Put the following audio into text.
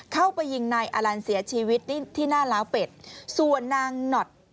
เข้าไปยิงนายอลันเสียชีวิตที่หน้าล้าวเป็ดส่วนนางหนอด